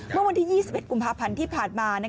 เมื่อวันที่๒๑กุมภาพันธ์ที่ผ่านมา